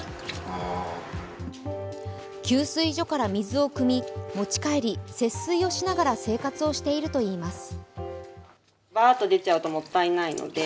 給水所から水をくみ持ち帰り節水をしながら世活をしているといいます。